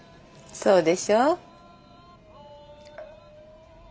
そうでしょう？